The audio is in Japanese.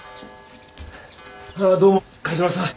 ああどうも梶原さん。